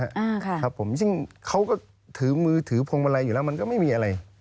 อ่าครับผมซึ่งเขาก็ถือมือถือพวงมาลัยอยู่แล้วมันก็ไม่มีอะไร